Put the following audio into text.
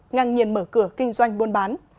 ngang nhiên mở cửa kinh doanh buôn bán